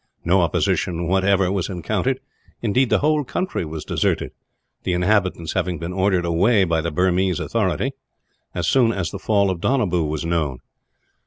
No opposition, whatever, was encountered; indeed, the whole country was deserted, the inhabitants having been ordered away by the Burmese authorities, as soon as the fall of Donabew was known.